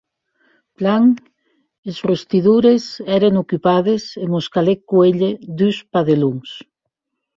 Plan, es rostidoires èren ocupades e mos calèc cuélher dus padelons.